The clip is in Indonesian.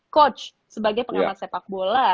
coach sebagai pengamat sepak bola